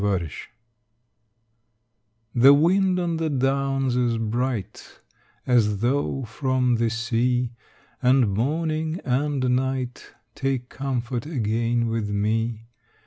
XXIII The wind on the downs is bright As though from the sea: And morning and night Take comfort again with me.